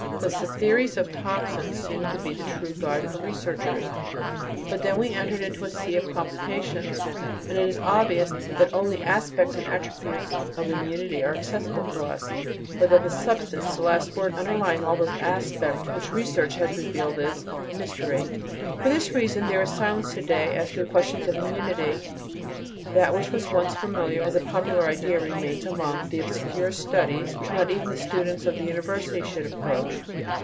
Thus the theories of toxines seemed to be the true guide for researches; but then we entered into a sea of complications, and it is obvious that only "aspects" and "attributes" of immunity are accessible to us, but that the substance, the last word, underlying all those aspects which research has revealed is: mystery. For this reason, there is silence to day as to questions of immunity; that which was once familiar as a popular idea remains among the obscure studies which not even the students of the university should approach.